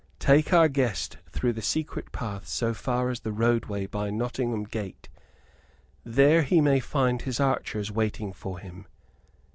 Take our guest through the secret path so far as the roadway by Nottingham gate. There he may find his archers waiting for him.